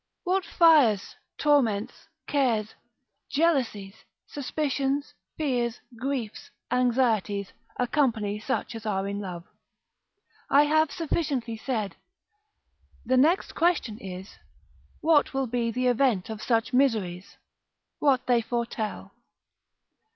What fires, torments, cares, jealousies, suspicions, fears, griefs, anxieties, accompany such as are in love, I have sufficiently said: the next question is, what will be the event of such miseries, what they foretell.